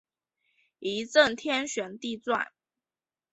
一阵天旋地转